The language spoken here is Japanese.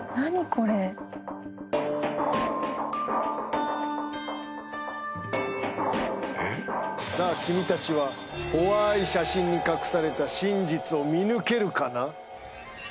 これさあ君たちはほわーい写真に隠された真実を見抜けるかな？